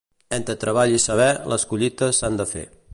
Entre treball i saber, les collites s'han de fer.